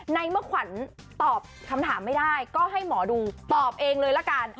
ในเมื่อขวัญตอบคำถามไม่ได้ก็ให้หมอดูตอบเองเลยละกัน